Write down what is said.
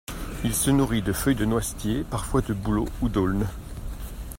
Il se nourrit de feuilles de noisetier, parfois de bouleau ou d'aulne.